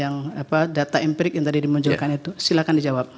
yang data empirik yang tadi dimunculkan itu silahkan dijawab